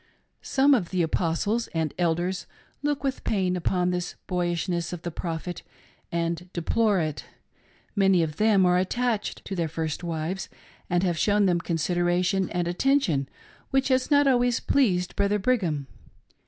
Some of the Apostles and Elders look with pain upon this boyishness of the Prophet, and deplore it. Many of them are attached to their first wives, arid have shown them considera tion and attention which has not always pleased Brother Brigham.